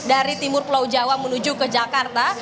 dari timur pulau jawa menuju ke jakarta